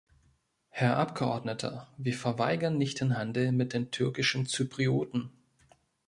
Herr Abgeordneter, wir verweigern nicht den Handel mit den türkischen Zyprioten.